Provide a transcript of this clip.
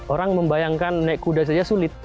orang membayangkan naik kuda saja sulit